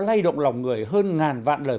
lây động lòng người hơn ngàn vạn lời